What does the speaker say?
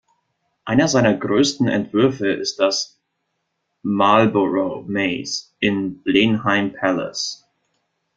Einer seiner größten Entwürfe ist das "Marlborough Maze" in Blenheim Palace.